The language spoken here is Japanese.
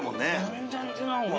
全然違うわ。